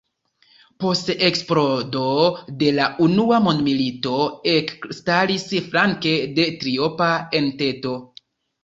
Post eksplodo de la unua mondmilito ekstaris flanke de Triopa Entento.